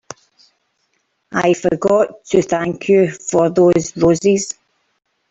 I forgot to thank you for those roses.